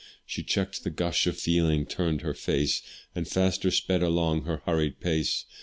She check'd the gush of feeling, turned her face, And faster sped along her hurried pace.